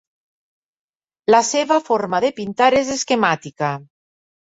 La seva forma de pintar és esquemàtica.